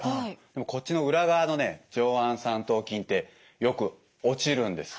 でもこっちの裏側のね上腕三頭筋ってよく落ちるんです。